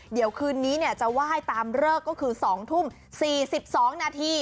เดี๋ยวคืนนี้จะไหว้ตามเลิกก็คือ๒ทุ่ม๔๒นาที